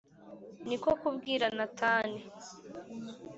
Ni ko kubwira Natani